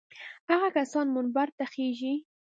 هغه کسان منبر ته خېژي.